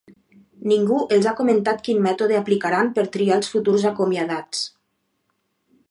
Ningú els ha comentat quin mètode aplicaran per triar els futurs acomiadats.